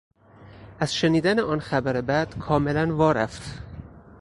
از شنیدن آن خبر بد کاملا وا رفت.